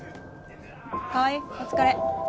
川合お疲れ。